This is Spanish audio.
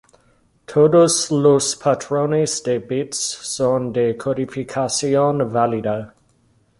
Todos los patrones de bits son de codificación válida.